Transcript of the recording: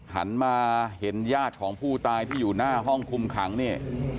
หันมาเห็นญาติของผู้ตายที่อยู่หน้าห้องคุมขังเนี่ย